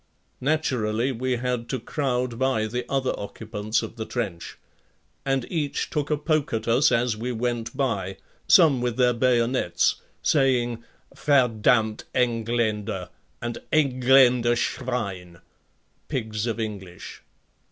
Naturally we had to crowd by the other occupants of the trench. And each took a poke at us as we went by, some with their bayonets, saying: "Verdamnt Engländer" and: "Engländer Schwein," pigs of English.